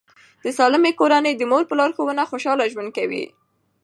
د سالمې کورنۍ د مور په لارښوونه خوشاله ژوند کوي.